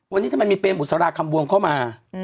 วันนี้ทำไมมีเปรมบุษราคำบวงเข้ามา